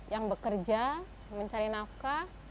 yang bekerja mencari nafkah